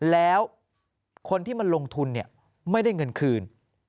แล้วคนที่มาลงทุนไม่ได้เงินคืน